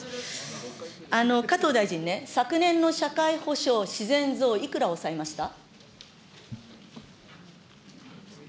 加藤大臣ね、さくねんの社会保障自然増、いくら抑えました。